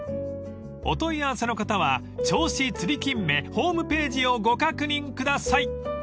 ［お問い合わせの方は銚子つりきんめホームページをご確認ください］